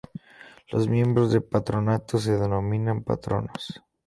Los miembros del patronato se denominan patronos.